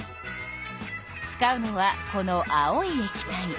使うのはこの青いえき体。